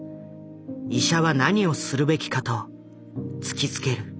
医者は何をするべきか？と突きつける。